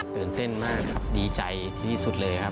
ตื่นเต้นมากครับดีใจที่สุดเลยครับ